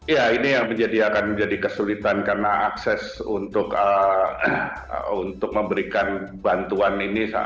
ya ini yang akan menjadi kesulitan karena akses untuk memberikan bantuan ini